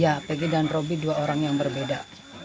ya peggy dan roby dua orang yang berbeda